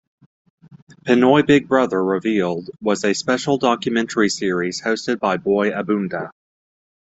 "Pinoy Big Brother Revealed" was a special documentary series hosted by Boy Abunda.